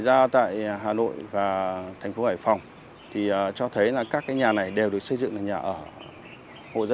ra tại hà nội và thành phố hải phòng thì cho thấy là các cái nhà này đều được xây dựng là nhà ở hộ gia